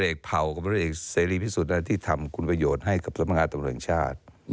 เด็กเผากับบุรุษเองเสรีพิสุทธิ์ที่ทำคุณประโยชน์ให้กับสมรรยาตำรวจแหล่งชาติ